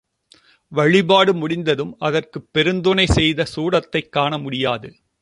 வழிபாடு முடிந்ததும், அதற்குப் பெருந்துணை செய்த சூடத்தைக் காணமுடியாது.